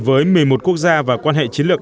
với một mươi một quốc gia và quan hệ chiến lược